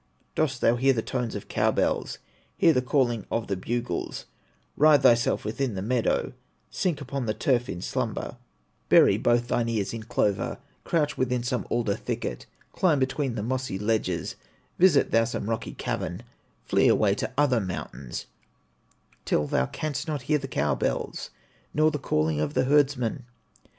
"Dost thou hear the tones of cow bells, Hear the calling of the bugles, Hide thyself within the meadow, Sink upon the turf in slumber, Bury both thine ears in clover, Crouch within some alder thicket Climb between the mossy ledges, Visit thou some rocky cavern, Flee away to other mountains, Till thou canst not hear the cow bells, Nor the calling of the herdsmen.